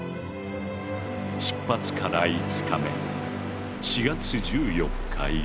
出発から５日目４月１４日夜。